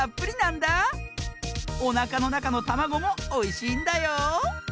おなかのなかのたまごもおいしいんだよ！